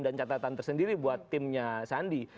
dan catatan tersendiri buat timnya sandi